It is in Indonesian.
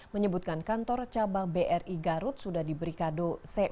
menyebutkan kantor cabang bri garut sudah diberi kado c enam